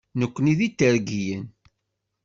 Nekni d Itergiyen.